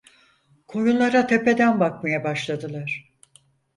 Koyunlara tepeden bakmaya başladılar.